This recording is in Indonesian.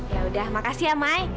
yaudah makasih ya mai